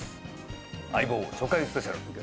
『相棒』初回スペシャル